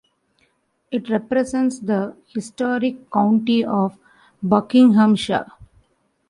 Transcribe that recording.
It represents the historic county of Buckinghamshire.